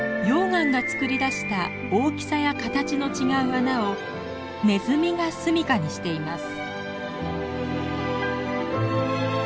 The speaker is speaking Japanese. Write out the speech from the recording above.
溶岩がつくり出した大きさや形の違う穴をネズミが住みかにしています。